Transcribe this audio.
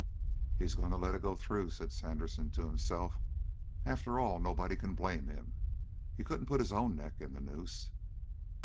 "He's going to let it go through," said Sandersen to himself. "After all nobody can blame him. He couldn't put his own neck in the noose."